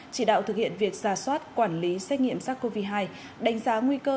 chỉ đạo thực hiện việc ra soát quản lý xét nghiệm sars cov hai đánh giá nguy cơ